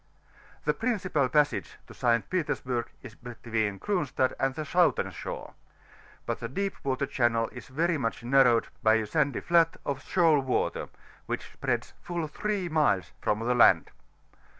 The principal passage to St. Petersburg is between Cronstadt and the southern shore; but the deep water channel is very much narrowed by a sandy JkU of skoal watery which spreads fulf three miles from the land.